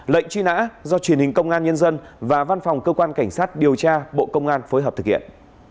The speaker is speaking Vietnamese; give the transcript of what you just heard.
lệnh truy nã do truyền hình công an nhân dân và văn phòng cơ quan cảnh sát điều tra bộ công an phối hợp thực hiện